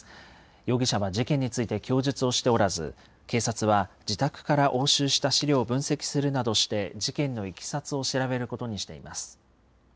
容疑者は事件について供述をしておらず、警察は自宅から押収した資料を分析するなどして、事件のいきさつを調べることにしています。